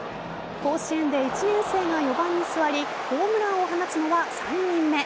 甲子園で１年生が４番に座りホームランを放つのは３人目。